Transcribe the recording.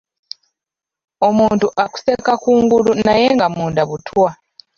Omuntu akuseka kungulu naye nga munda butwa.